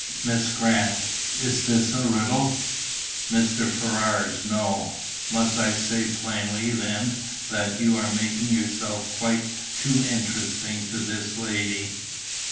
"Miss Grant, is this a riddle?" "Mr. Ferrars, no. Must I say plainly, then, that you are making yourself quite too interesting to this lady?"